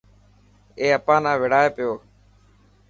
اي اپا نا وڙائي پيو.